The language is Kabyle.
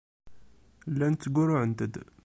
Llant ttgurruɛent-d.